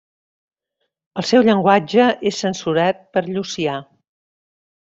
El seu llenguatge és censurat per Llucià.